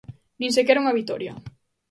Nin sequera unha vitoria.